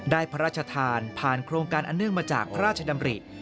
พระราชทานผ่านโครงการอันเนื่องมาจากพระราชดำริ